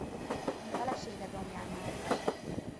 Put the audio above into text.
Felesége Domján Mária.